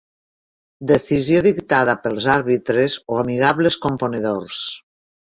Decisió dictada pels àrbitres o amigables componedors.